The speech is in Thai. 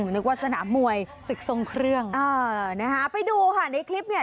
นึกว่าสนามมวยศึกทรงเครื่องเออนะคะไปดูค่ะในคลิปเนี่ย